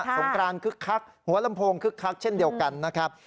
งกรานคึกคักหัวลำโพงคึกคักเช่นเดียวกันนะครับ